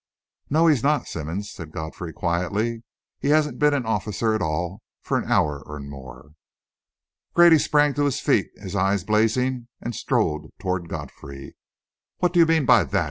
"No, he's not, Simmonds," said Godfrey, quietly. "He hasn't been an officer at all for an hour and more." Grady sprang to his feet, his eyes blazing, and strode toward Godfrey. "What do you mean by that?"